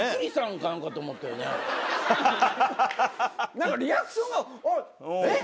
何かリアクションがあっ！